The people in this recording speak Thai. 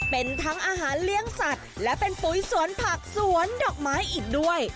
เป็นทั้งอาหารเลี้ยงสัตว์และเป็นปุ๋ยสวนผักสวนดอกไม้อีกด้วย